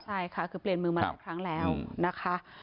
ใช่ค่ะคือเปลี่ยนมือมาหลายครั้งแล้วนะคะ